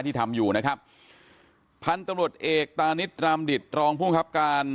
ที่ทำอยู่นะครับพันธุ์ตำรวจเอกตานิดรามดิตรองภูมิครับการ